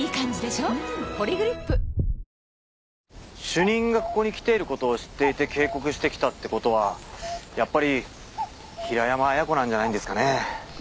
主任がここに来ている事を知っていて警告してきたって事はやっぱり平山亜矢子なんじゃないんですかね？